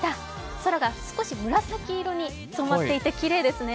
空が少し紫色に染まっていてきれいですね。